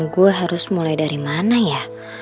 gue harus mulai dari mana ya